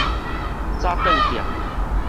早頓店